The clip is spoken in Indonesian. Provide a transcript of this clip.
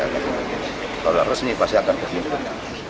kalau resmi pasti akan berhubungan